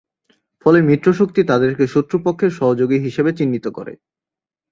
ফলে মিত্রশক্তি তাদেরকে শত্রুপক্ষের সহযোগী হিসেবে চিহ্নিত করে।